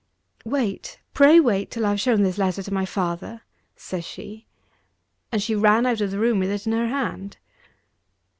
"Wait; pray wait till I have shown this letter to my father!" says she. And she ran out of the room with it in her hand.